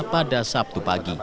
pada sabtu pagi